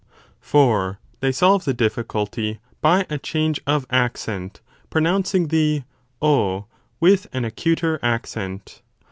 5 For they solve the difficulty by a change of accent, pronouncing the ov with an acuter accent.